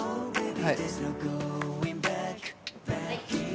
はい。